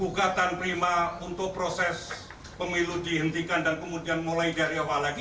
gugatan prima untuk proses pemilu dihentikan dan kemudian mulai dari awal lagi